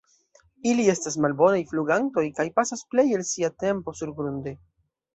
Ili estas malbonaj flugantoj kaj pasas plej el sia tempo surgrunde.